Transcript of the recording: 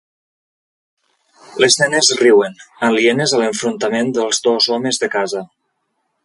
Les nenes riuen, alienes a l'enfrontament dels dos homes de casa.